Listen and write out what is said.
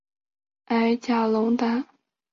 矮假龙胆为龙胆科假龙胆属下的一个种。